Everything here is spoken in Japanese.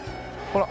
ほら。